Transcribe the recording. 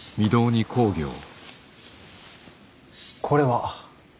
これは？